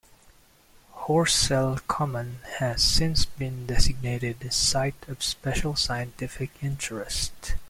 Horsell Common has since been designated a Site of Special Scientific Interest.